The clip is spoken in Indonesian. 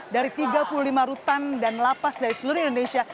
dari tiga puluh lima rutan dan lapas dari seluruh indonesia